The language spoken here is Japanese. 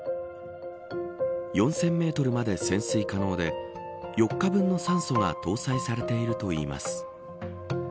４０００メートルまで潜水可能で４日分の酸素が搭載されているといいます。